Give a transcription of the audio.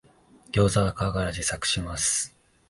ギョウザは皮から自作します